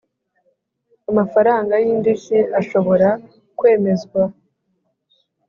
amafaranga y indishyi ashobora kwemezwa